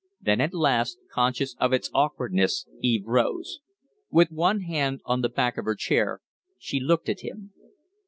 Then, at last, conscious of its awkwardness, Eve rose. With one hand on the back of her chair, she looked at him.